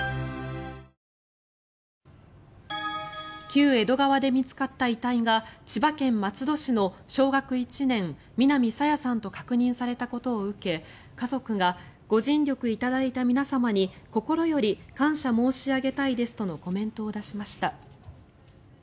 旧江戸川で見つかった遺体が千葉県松戸市の小学１年、南朝芽さんと確認されたことを受け家族がご尽力いただいた皆様に心より感謝申し上げたいですとのコメントを出しました。